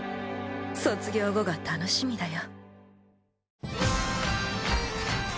卒業後が楽しみだよ。